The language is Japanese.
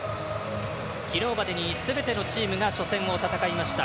昨日までにすべてのチームが初戦を戦いました。